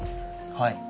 はい。